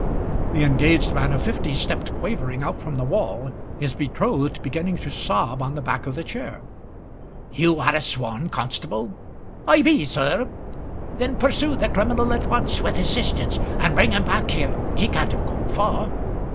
The engaged man of fifty stepped quavering out of the corner, his betrothed beginning to sob on the back of the chair. "You are a sworn constable?" "I be, sir." "Then pursue the criminal at once, with assistance, and bring him back here. He can't have gone far."